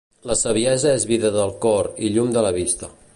La saviesa és vida del cor i llum de la vista.